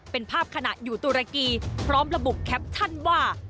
เป็นภาพขณะอยู่ตุรกีพร้อมระบุแคปชั่นว่า